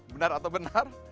benar atau benar